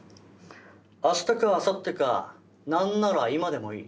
あしたかあさってか何なら今でもいい。